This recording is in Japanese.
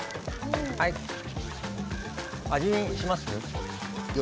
味見します？